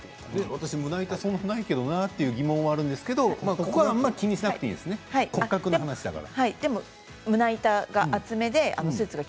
私、胸板はそんなにないけれどもなって疑問はあるんですけれどもそこはあんまり気にしなくていいですね、骨格だから。